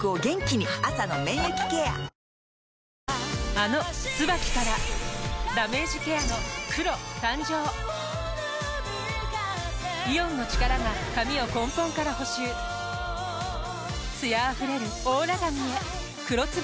あの「ＴＳＵＢＡＫＩ」からダメージケアの黒誕生イオンの力が髪を根本から補修艶あふれるオーラ髪へ「黒ＴＳＵＢＡＫＩ」